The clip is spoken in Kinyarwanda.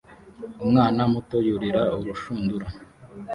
Umwana muto yurira urushundura